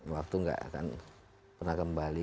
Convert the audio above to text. waktu nggak akan pernah kembali